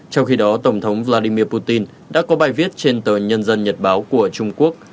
trong khi đó tổng thống vladimir putin đã có bài viết trên tờ nhân dân nhật báo của trung quốc